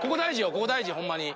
ここ大事ほんまに。